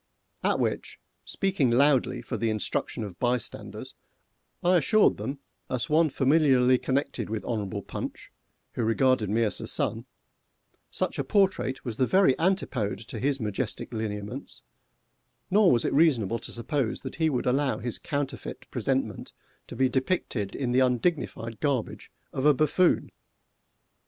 At which, speaking loudly for instruction of bystanders, I assured them, as one familiarly connected with Hon'ble Punch, who regarded me as a son, such a portrait was the very antipode to his majestic lineaments, nor was it reasonable to suppose that he would allow his counterfeit presentment to be depicted in the undignified garbage of a buffoon!